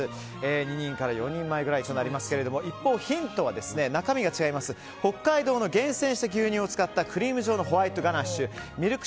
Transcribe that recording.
２人から４人前ぐらいとなりますが一方、ヒントは中身が違います北海道の厳選した牛乳を使ったクリーム状のホワイトガナッシュミルク